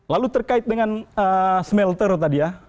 lalu terkait dengan smelter tadi ya